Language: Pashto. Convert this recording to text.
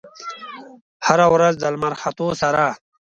هره ورځ د لمر ختو سره